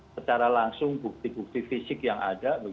secara langsung bukti bukti fisik yang ada